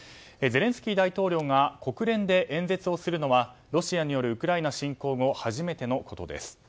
ゼレンスキー大統領が国連で演説をするのはロシアによるウクライナ侵攻後初めてのことです。